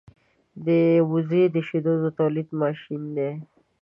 وزې د شیدو د تولېدو ماشین دی